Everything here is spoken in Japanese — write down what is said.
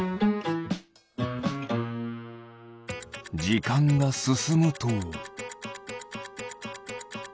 じかんがすすむと。